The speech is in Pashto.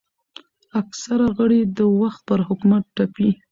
اکثره غړي د وخت پر حکومت تپي